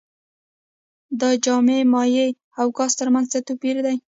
د جامد مایع او ګاز ترمنځ څه توپیر دی.